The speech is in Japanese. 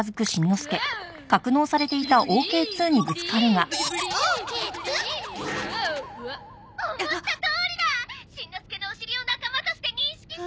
「しんのすけのお尻を仲間として認識した！」